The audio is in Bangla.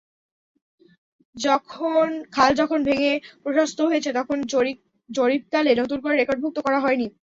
খাল যখন ভেঙে প্রশস্ত হয়েছে, তখন জরিপকালে নতুন করে রেকর্ডভুক্ত করা হয়নি।